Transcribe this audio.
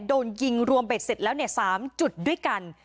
โดนยิงรวมเบ็ดเสร็จแล้ว๓จุดด้วยกัน